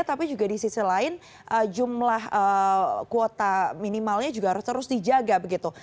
tapi juga di sisi lain jumlah kuota minimalnya juga harus terus dijaga begitu